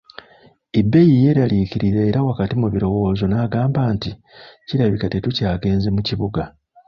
Ebei yeraliikirira era wakati mu birowoozo n'agamba nti, kirabika tetukyagenze mu kibuga .